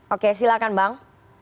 oke silakan bang